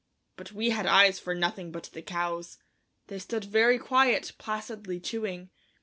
But we had eyes for nothing but the cows; they stood very quiet, placidly chewing.